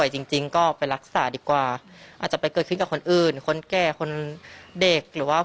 ศูนย์ดีเหมือนเวลา